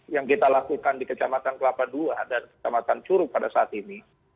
yang kita lakukan di kecamatan kelapa ii dan kecamatan curug pada saat ini